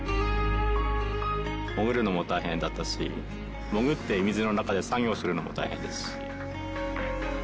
潜るのも大変だったし潜って水の中で作業するのも大変ですし。